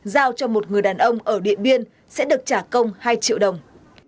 giao cho một người đàn ông ở điện biên sẽ được trả công hai triệu đồng